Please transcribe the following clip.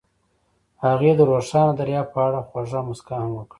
هغې د روښانه دریاب په اړه خوږه موسکا هم وکړه.